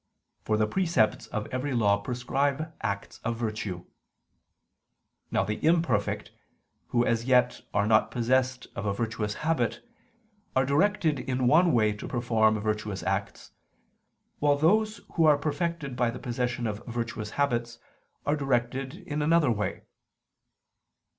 For the precepts of every law prescribe acts of virtue. Now the imperfect, who as yet are not possessed of a virtuous habit, are directed in one way to perform virtuous acts, while those who are perfected by the possession of virtuous habits are directed in another way.